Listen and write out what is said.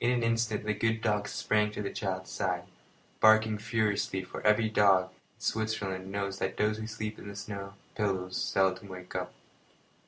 In an instant the good dog sprang to the child's side, barking furiously, for every dog in Switzerland knows that those who sleep on snow pillows seldom wake up.